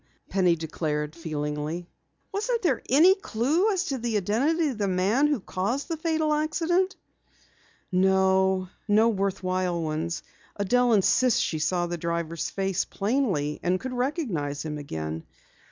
Penny declared feelingly. "Wasn't there any clue as to the identity of the man who caused the fatal accident?" "No worthwhile ones. Adelle insists that she saw the driver's face plainly and could recognize him again.